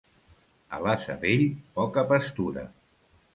A l'ase vell, poca pastura.